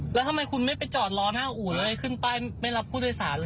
แล้วทำไมคุณไม่ไปจอดร้อนห้าอู่เลยขึ้นไปไม่รับผู้โดยสารเลย